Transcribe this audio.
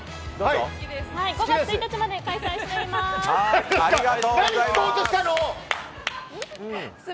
５月１日まで開催してます！